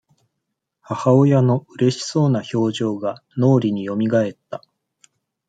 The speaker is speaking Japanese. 母親のうれしそうな表情が、脳裏によみがえった。